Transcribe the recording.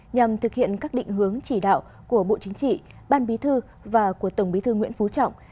nhằm thực hiện các định hướng chỉ đạo của bộ chính trị ban bí thư và của tổng bí thư nguyễn phú trọng